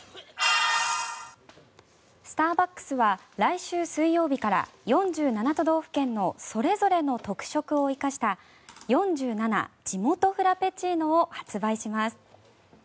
スターバックスは来週水曜日から４７都道府県のそれぞれの特色を生かした４７ＪＩＭＯＴＯフラペチーノを発売します。